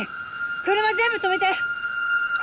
車全部止めて！